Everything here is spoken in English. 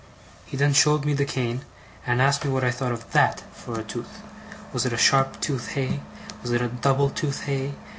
He then showed me the cane, and asked me what I thought of THAT, for a tooth? Was it a sharp tooth, hey? Was it a double tooth, hey?